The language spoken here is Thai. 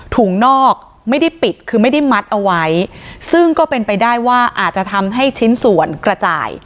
นอกไม่ได้ปิดคือไม่ได้มัดเอาไว้ซึ่งก็เป็นไปได้ว่าอาจจะทำให้ชิ้นส่วนกระจาย